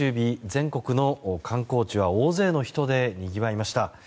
全国の観光地は大勢の人でにぎわいました。